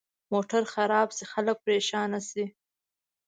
موټر خراب شي، خلک پرېشانه شي.